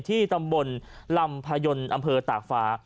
ที่ตำบลลำพยนต์อำเภอตากฟ้า